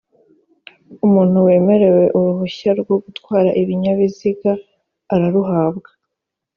umuntu wemerewe uruhushya rwo gutwara ibinyabiziga araruhabwa